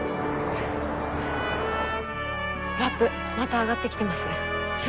ラップまた上がってきてます。